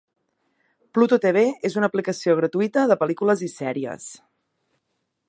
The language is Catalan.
Pluto tv és una aplicació gratuïta de pel·lícules i sèries